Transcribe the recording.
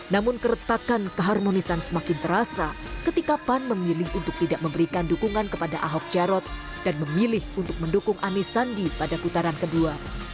namun keretakan keharmonisan semakin terasa ketika pan memilih untuk tidak memberikan dukungan kepada ahok jarot dan memilih untuk mendukung anies sandi pada putaran kedua